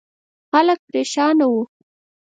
خلک پرېشان وو.